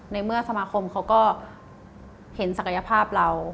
ในเมื่อสมาคมเขาก็เห็นศักยภาพเรา